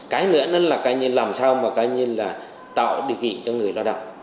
cái nữa là làm sao tạo địa vị cho người lao động